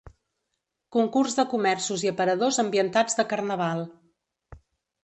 Concurs de comerços i aparadors ambientats de Carnaval.